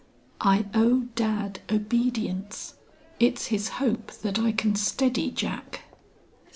"I owe dad obedience. It's his hope that I can steady Jack."